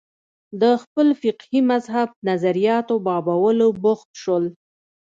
د خپل فقهي مذهب نظریاتو بابولو بوخت شول